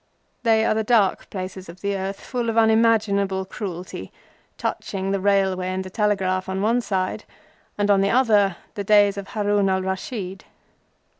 They are the dark places of the earth, full of unimaginable cruelty, touching the Railway and the Telegraph on one side, and, on the other, the days of Harun al Raschid.